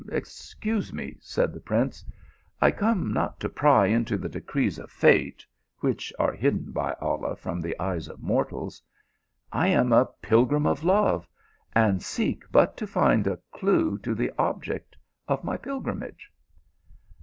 "Excuse me," said the prince,"! come not to pry into the decrees of fate, which are hidden by Allah from the eyes of mortals. I am a pilgrim of love, and seek but to find a clue to the object of my pilgrimage."